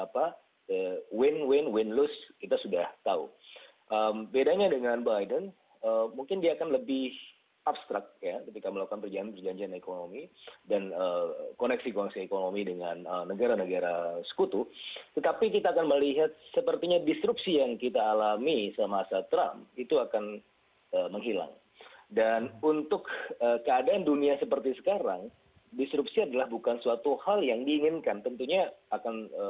pertanyaan dari pertanyaan pertanyaan pertanyaan